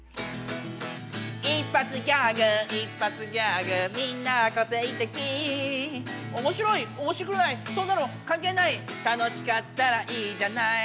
「一発ギャグ一発ギャグみんなこせいてき」「おもしろいおもしろくないそんなのかんけいない」「楽しかったらいいじゃない」